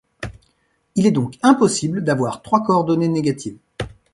Il est donc impossible d'avoir trois coordonnées négatives.